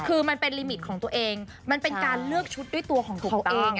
คือมันเป็นลิมิตของตัวเองมันเป็นการเลือกชุดด้วยตัวของตัวเอง